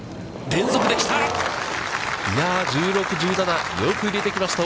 連続で来た。